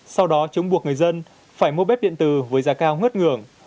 sau đó chúng buộc người dân phải mua bếp điện từ với giá cao ngớt ngưỡng